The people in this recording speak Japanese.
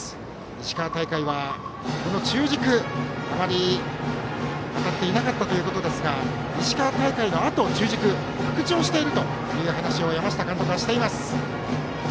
石川大会は中軸があまり当たっていなかったということですが石川大会のあと中軸復調しているという話を山下監督はしています。